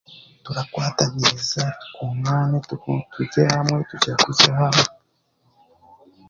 Turakwataniisa omwazo obumwe turye hamwe tugyaguze hamwe